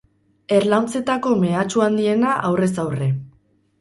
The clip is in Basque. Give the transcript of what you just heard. Erlauntzetako mehatxu handiena aurrez aurre.